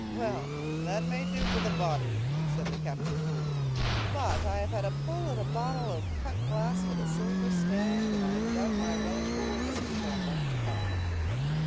Well, that may do for the body," said the captain coolly; "but I have had a pull at a bottle of cut glass with a silver stand, and I doubt my relish for your whisky for a month to come."